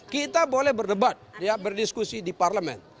kita boleh berdebat berdiskusi di parlemen